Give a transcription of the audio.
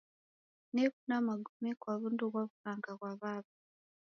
Nekunda magome kwa w'undu ghwa w'ughanga ghwa w'aw'a.